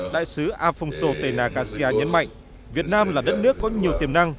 đại sứ afonso tenagasia nhấn mạnh việt nam là đất nước có nhiều tiềm năng